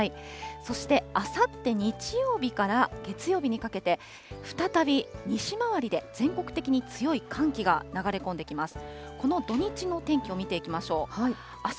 そして、あさって日曜日から月曜日にかけて、再び西回りで全国的に強い寒気が流れ込んできます。